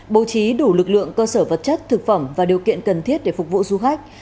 bố trí đủ lực lượng cơ sở vật chất thực phẩm và điều kiện cần thiết để phục vụ du khách